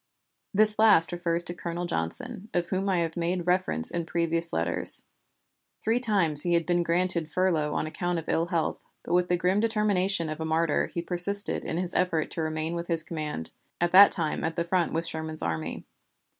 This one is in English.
This last refers to Colonel Johnson, of whom I have made reference in previous letters. Three times he had been granted furlough on account of ill health, but with the grim determination of a martyr, he persisted in his effort to remain with his command, at that time at the front with Sherman's army.